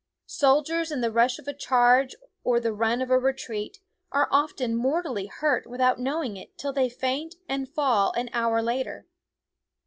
Soldiers in the rush of a charge or the run of a retreat are often mortally hurt without knowing it till they faint and fall an hour later.